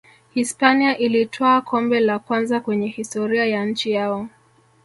hispania ilitwaa kombe la kwanza kwenye historia ya nchi yao